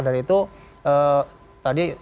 dari itu tadi